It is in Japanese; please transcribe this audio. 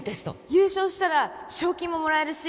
優勝したら賞金ももらえるし